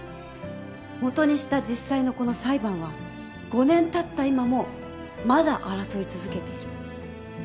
もとにした実際のこの裁判は５年たった今もまだ争い続けている。